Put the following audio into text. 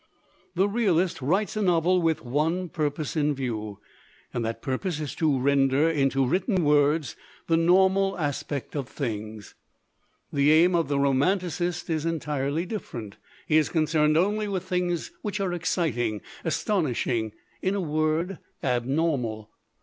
"The realist writes a novel with one purpose in COMMERCIALIZING view. And that purpose is to render into written words the normal aspect of things. "The aim of the romanticist is entirely differ ent. He is concerned only with things which are exciting, astonishing in a word, abnormal.